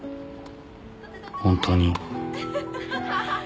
「本当に」